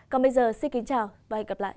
còn bây giờ xin kính chào và hẹn gặp lại